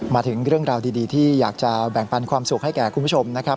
มาถึงเรื่องราวดีที่อยากจะแบ่งปันความสุขให้แก่คุณผู้ชมนะครับ